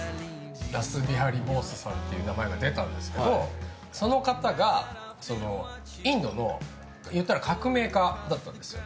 ラス・ビハリ・ボースという名前が出たんですがその方が、インドのいったら革命家だったんですよ。